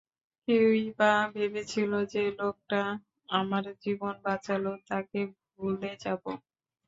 কে-ই বা ভেবেছিলো যে লোকটা আমার জীবন বাঁচালো তাকে ভুলে যাবো!